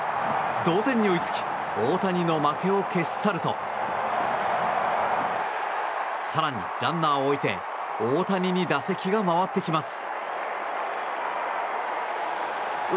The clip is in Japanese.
同点に追いつき大谷の負けを消し去ると更に、ランナーを置いて大谷に打席が回ってきます。